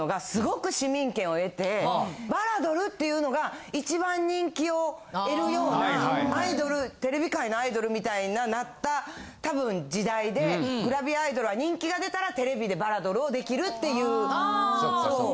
バラドルっていうのが一番人気を得るようなアイドルテレビ界のアイドルみたいななったたぶん時代でグラビアアイドルは人気が出たらテレビでバラドルを出来るっていうそう。